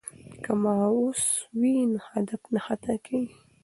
که ماوس وي نو هدف نه خطا کیږي.